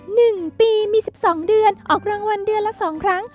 หนึ่งปีมีสิบสองเดือนออกรางวัลเดือนละสองครั้ง